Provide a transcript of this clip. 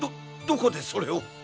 どこでそれを？